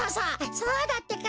そうだってか！